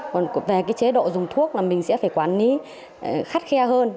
còn về cái chế độ dùng thuốc là mình sẽ phải quản lý khắt khe hơn